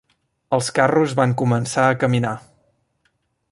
Els carros van començar a caminar